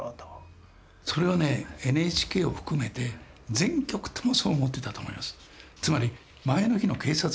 ＮＨＫを含めて全局ともそう思ってたと思います。